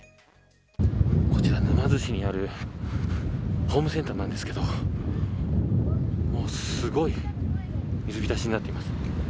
こちら、沼津市にあるホームセンターなんですけれどもすごい水浸しになっています。